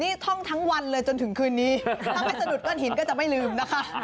นี่ท่องทั้งวันเลยจนถึงคืนนี้ถ้าไม่สะดุดก้อนหินก็จะไม่ลืมนะคะ